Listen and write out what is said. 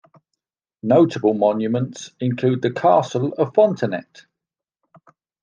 Notable monuments include the castle of Fontanet.